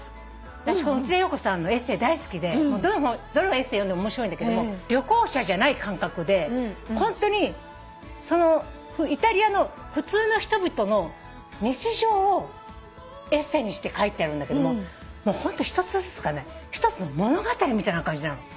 私内田洋子さんのエッセー大好きでどのエッセー読んでも面白いんだけども旅行者じゃない感覚でホントにそのイタリアの普通の人々の日常をエッセーにして書いてあるんだけども一つずつがね１つの物語みたいな感じなの。